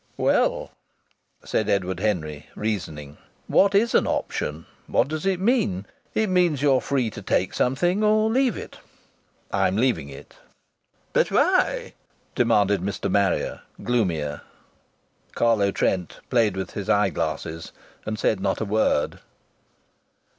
"Well," said Edward Henry, reasoning. "What is an option? What does it mean? It means you are free to take something or leave it. I'm leaving it." "But why?" demanded Mr. Marrier, gloomier. Carlo Trent played with his eyeglasses and said not a word.